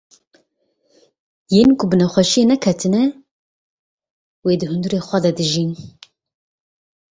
Yên ku bi nexweşiyê neketine, wê di hundirê xwe de dijîn.